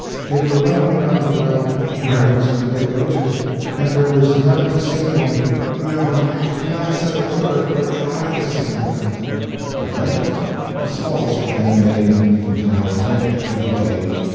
They were running around the well (where else could they go to?), and there was none to save them. No: none said a word or tried to save them.' "At length the smallest of them made an infantile attempt to get away.